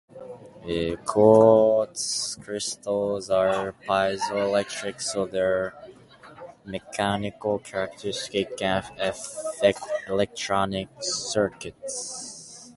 Quartz crystals are piezoelectric, so their mechanical characteristics can affect electronic circuits.